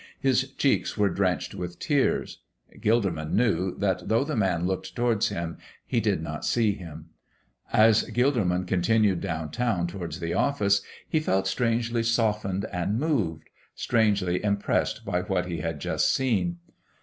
His cheeks were drenched with tears. Gilderman knew that though the man looked towards him he did not see him. As Gilderman continued down town towards the office, he felt strangely softened and moved strangely impressed by what he had just seen.